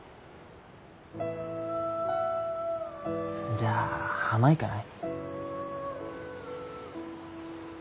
じゃあ浜行かない？